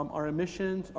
mengurangi emisi kita